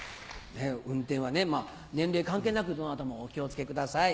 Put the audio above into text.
運転は年齢関係なくどなたもお気を付けください。